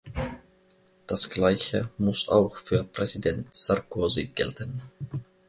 Das Gleiche muss auch für Präsident Sarkozy gelten.